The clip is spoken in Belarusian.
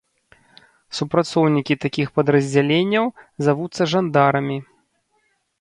Супрацоўнікі такіх падраздзяленняў завуцца жандарамі.